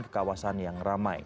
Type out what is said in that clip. di pengawasan yang ramai